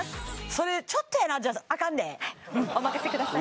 それちょっとじゃあかんでお任せください